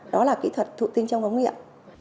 đó là kỹ thuật thủ tinh trong ống nghiệm